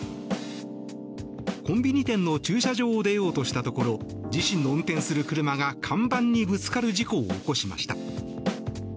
コンビニ店の駐車場を出ようとしたところ自身の運転する車が看板にぶつかる事故を起こしました。